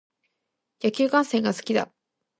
野球観戦が好きだ。